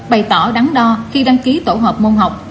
bày tỏ đắn đo khi đăng ký tổ hợp môn học